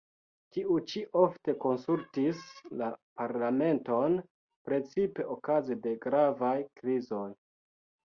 Tiu ĉi ofte konsultis la parlamenton, precipe okaze de gravaj krizoj.